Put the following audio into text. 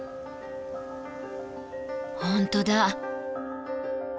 本当だ。